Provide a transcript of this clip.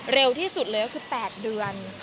เร็วที่สุดเลยก็คือ๘เดือน